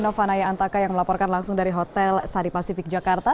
nova naya antaka yang melaporkan langsung dari hotel sari pasifik jakarta